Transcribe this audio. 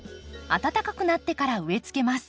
暖かくなってから植えつけます。